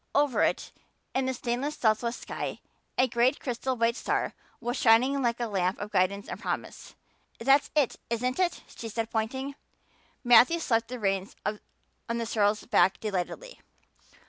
Over it, in the stainless southwest sky, a great crystal white star was shining like a lamp of guidance and promise. "That's it, isn't it?" she said, pointing. Matthew slapped the reins on the sorrel's back delightedly.